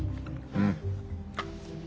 うん！